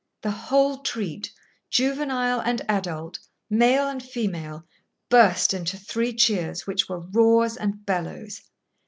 The whole treat, juvenile and adult, male and female, burst into three cheers which were roars and bellows.